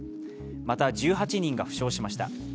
また、１８人が負傷しました。